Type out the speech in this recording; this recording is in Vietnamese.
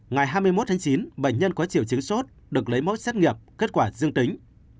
ngày hai mươi một tháng chín bệnh nhân có triệu chứng sốt được lấy mẫu xét nghiệm kết quả dương tính